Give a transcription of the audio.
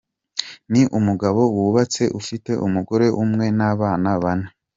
Ni umugabo wubatse ufite umugore umwe n’abana bane.